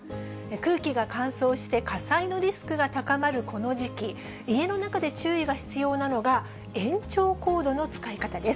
空気が乾燥して、火災のリスクが高まるこの時期、家の中で注意が必要なのが延長コードの使い方です。